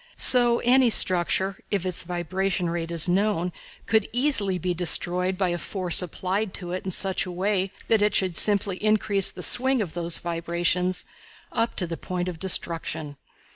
So any structure, if its vibration rate is known, could easily be destroyed by a force applied to it in such a way that it should simply increase the swing of those vibrations up to the point of destruction.